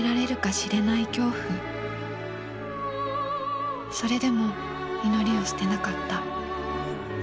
それでも祈りを捨てなかった。